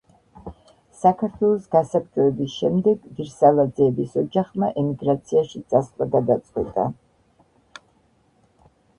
საქართველოს გასაბჭოების შემდეგ ვირსალაძეების ოჯახმა ემიგრაციაში წასვლა გადაწყვიტა.